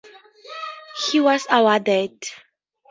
He was awarded.